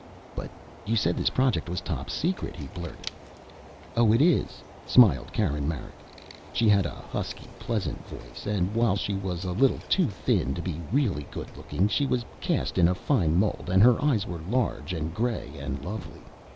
"But you said this project was top secret!" he blurted. "Oh, it is," smiled Karen Marek. She had a husky, pleasant voice, and while she was a little too thin to be really good looking, she was cast in a fine mold and her eyes were large and gray and lovely.